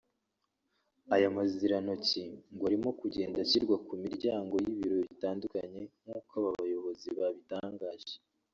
Aya mazirantoki ngo arimo kugenda ashyirwa ku miryango y’ibiro bitandukanye nk’uko aba bayobozi babitangaje